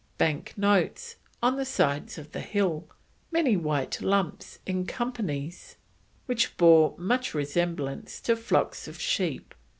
Banks notes on the sides of the hill "many white lumps in companies which bore much resemblance to flocks of sheep."